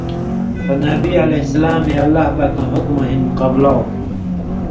خو نبی علیہ سلامے اللہ پاکاں حُکمہ ہِن قبلاؤ؛